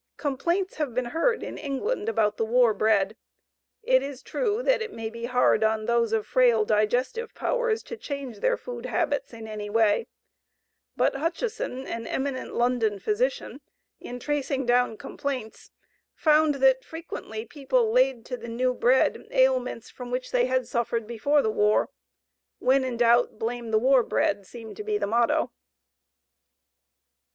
Complaints have been heard in England about the war bread. It is true that it may be hard on those of frail digestive powers to change their food habits in any way, but Hutchison, an eminent London physician, in tracing down complaints, found that frequently people laid to the new bread ailments from which they had suffered before the war. "When in doubt, blame the war bread," seemed to be the motto.